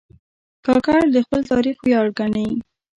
کاکړ د خپل تاریخ ویاړ ګڼي.